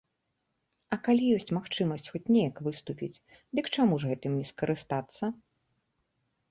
А калі ёсць магчымасць хоць неяк выступіць, дык чаму ж гэтым не скарыстацца?